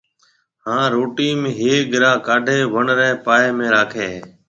ھاڻ روٽِي ۾ ھيَََڪ گھرا ڪاڊيَ وڻ رِي پاݪ ۾ راکيَ ھيََََ